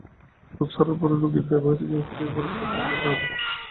রোগ সারার পরও রোগীর ব্যবহূত জিনিসপত্র এভাবে পরিষ্কার করে নিতে হবে।